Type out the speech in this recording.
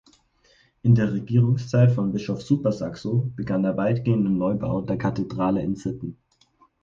In der Regierungszeit von Bischof Supersaxo begann der weitgehende Neubau der Kathedrale in Sitten.